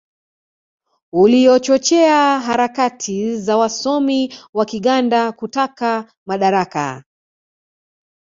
uliochochea harakati za wasomi wa Kiganda kutaka madaraka